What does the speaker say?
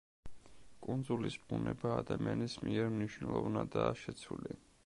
კუნძულის ბუნება ადამიანის მიერ მნიშვნელოვნადაა შეცვლილი.